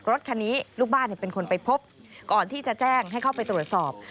รถคันนี้ลูกบ้านเป็นคนไปพบก่อนที่จะแจ้งให้เข้าไปตรวจสอบ